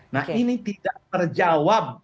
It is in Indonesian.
nah ini tidak terjawab